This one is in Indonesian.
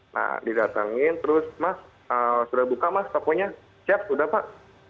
nah didatangin terus mas sudah buka mas toko nya siap sudah pak